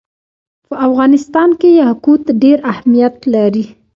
په افغانستان کې یاقوت ډېر اهمیت لري.